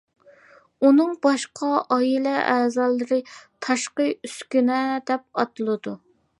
ئۇنىڭ باشقا ئائىلە ئەزالىرى تاشقى ئۈسكۈنە دەپ ئاتىلىدۇ.